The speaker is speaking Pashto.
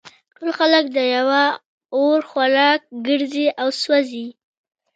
ټول خلک د یوه اور خوراک ګرځي او سوزي